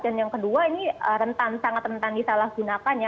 dan yang kedua ini rentan sangat rentan di salah gunakannya